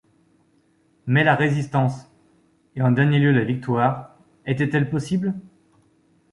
Mais la résistance, et en dernier lieu la victoire, étaient-elles possibles?